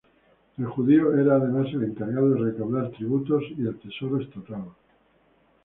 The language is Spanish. El judío era además el encargado de recaudar tributos y el tesoro estatal.